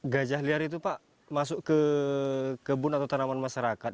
gajah liar itu pak masuk ke kebun atau tanaman masyarakat